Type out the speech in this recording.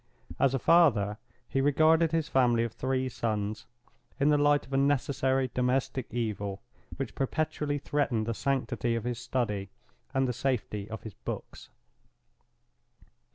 As a father, he regarded his family of three sons in the light of a necessary domestic evil, which perpetually threatened the sanctity of his study and the safety of his books.